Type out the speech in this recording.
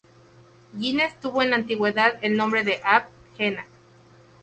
Gines tuvo en la antigüedad el nombre de Ab-Genna.